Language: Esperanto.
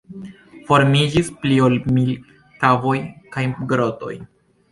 Formiĝis pli ol mil kavoj kaj grotoj.